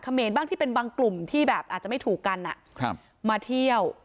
เมนบ้างที่เป็นบางกลุ่มที่แบบอาจจะไม่ถูกกันมาเที่ยว